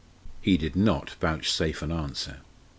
He did not vouchsafe an answer.